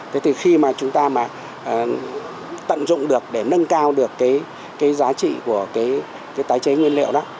thế thì khi mà chúng ta mà tận dụng được để nâng cao được cái giá trị của cái tái chế nguyên liệu đó